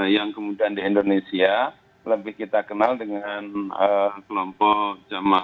yang kemudian di indonesia lebih kita kenal dengan kelompok jamaah